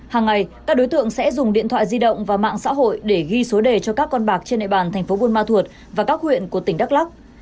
hàng ngày các đối tượng sẽ dùng điện thoại di động và mạng xã hội để ghi số đề cho các con bạc trên địa bàn thành phố buôn ma thuột và các huyện của tỉnh đắk lắc